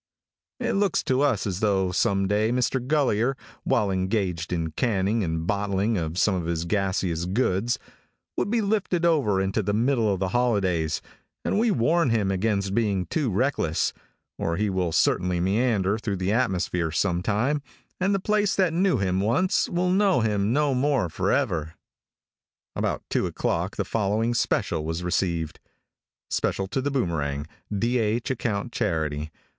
It looks to us as though some day Mr. Gulliher, while engaged in canning and bottling some of his gaseous goods, would be lifted over into the middle of the holidays, and we warn him against being too reckless, or he will certainly meander through the atmosphere sometime, and the place that knew him once will know him no more forever. About two o'clock the following special was received: [Special to the Boomerang.] "[D. H. acct. charity.